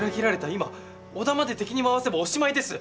今織田まで敵に回せばおしまいです！